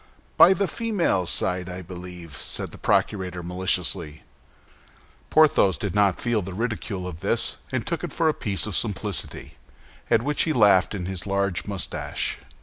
"By the female side, I believe?" said the procurator, maliciously. Porthos did not feel the ridicule of this, and took it for a piece of simplicity, at which he laughed in his large mustache.